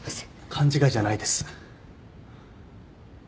勘違いじゃないです。